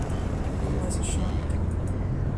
It was a shock.